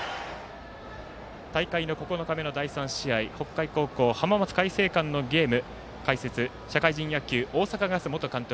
大会の９日目の第３試合北海高校浜松開誠館のゲーム解説、社会人野球大阪ガス元監督